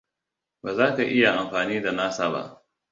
Baza ka iya amfani da nasa ba.